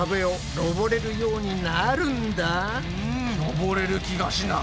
登れる気がしない。